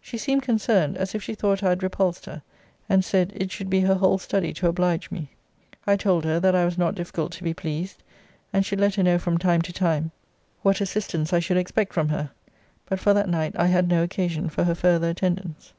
She seemed concerned, as if she thought I had repulsed her; and said, it should be her whole study to oblige me. I told her, that I was not difficult to be pleased: and should let her know from time to time what assistance I should expect from her. But for that night I had no occasion for her further attendance.